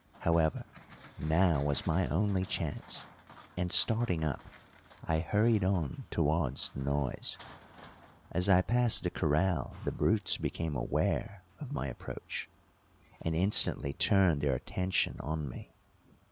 However, now was my only chance, and, starting up, I hurried on towards the noise. As I passed the corral the brutes became aware of my approach, and instantly turned their attention on me.